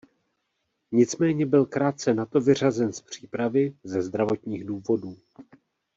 Nicméně byl krátce na to vyřazen z přípravy ze zdravotních důvodů.